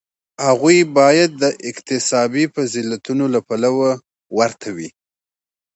هغوی باید د اکتسابي فضیلتونو له پلوه ورته وي.